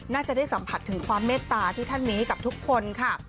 น่าจะได้สัมผัสถึงความเมตตาที่ท่านมีให้กับทุกคนค่ะ